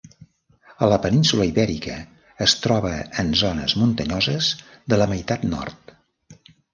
A la península Ibèrica es troba en zones muntanyoses de la meitat nord.